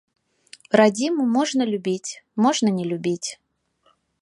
Радзіму можна любіць, можна не любіць.